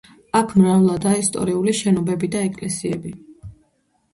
აქ მრავლადაა ისტორიული შენობები და ეკლესიები.